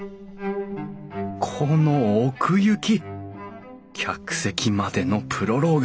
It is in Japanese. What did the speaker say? この奥行き客席までのプロローグ。